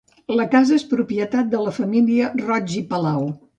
La casa és propietat de la família Roig i Palau.